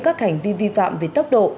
các hành vi vi phạm về tốc độ